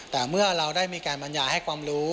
แต่เมื่อเราได้มีการบรรยายให้ความรู้